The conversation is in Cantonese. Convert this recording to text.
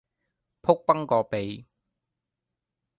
仆崩個鼻